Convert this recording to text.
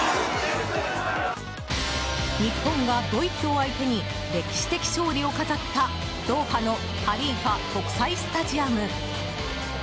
日本がドイツを相手に歴史的勝利を飾ったドーハのハリーファ国際スタジアム。